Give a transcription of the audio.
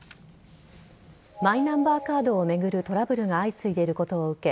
マイナンバーカードを巡るトラブルが相次いでいることを受け